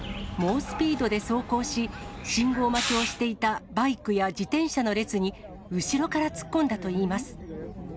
猛スピードで走行し、信号待ちをしていたバイクや自転車の列に後ろから突っ込んだといいます。